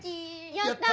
やった！